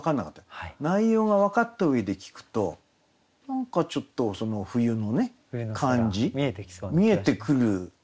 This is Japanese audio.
内容が分かった上で聞くと何かちょっと冬の感じ見えてくる。